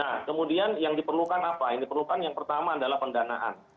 nah kemudian yang diperlukan apa yang diperlukan yang pertama adalah pendidikan